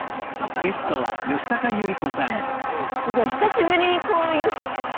すごい久しぶりにこういう何だろう